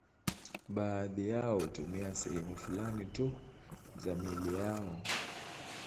Baadhi yao hutumia sehemu fulani tu za miili yao.